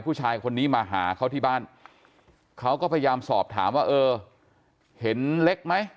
ผู้ชายคนนี้มาหาเขาที่บ้านเขาก็พยายามสอบถามว่าเออเห็นเล็กไหม